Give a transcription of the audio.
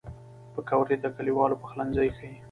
پکورې د کلیوالو پخلنځی ښيي